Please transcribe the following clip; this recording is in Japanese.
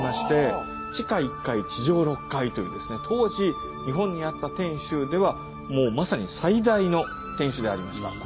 当時日本にあった天主ではもうまさに最大の天守でありました。